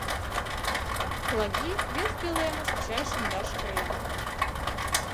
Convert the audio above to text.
Плаги вес пӧлемыш чай шындаш кая.